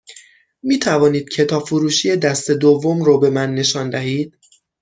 می توانید کتاب فروشی دست دوم رو به من نشان دهید؟